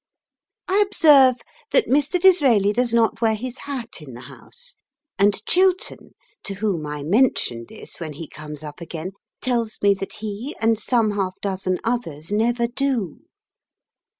I observe that Mr. Disraeli does not wear his hat in the House, and Chiltern, to whom I mention this when he comes up again, tells me that he and some half dozen others never do.